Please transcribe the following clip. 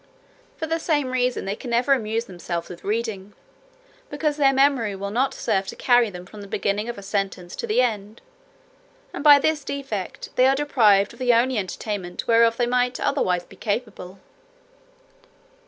For the same reason, they never can amuse themselves with reading, because their memory will not serve to carry them from the beginning of a sentence to the end; and by this defect, they are deprived of the only entertainment whereof they might otherwise be capable.